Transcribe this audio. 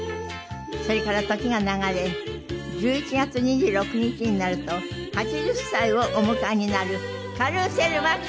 それから時が流れ１１月２６日になると８０歳をお迎えになるカルーセル麻紀さんです。